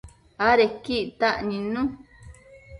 Adequi ictac nidnu